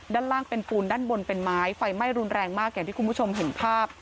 ด้านล่างเป็นปูนด้านบนเป็นไม้ไฟไหม้รุนแรงมากอย่างที่คุณผู้ชมเห็นภาพ